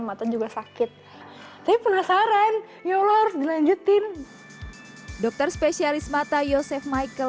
mata juga sakit tapi penasaran ya allah harus dilanjutin dokter spesialis mata yosef michael